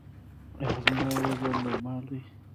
ایا زما وزن نورمال دی؟